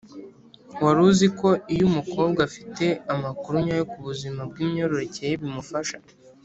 wari uzi ko iyo umukobwa afite amakuru nyayo ku buzima bw’imyororokere ye bimufasha,